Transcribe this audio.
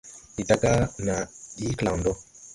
Ndi daaga naa ɗii klaŋdɔ.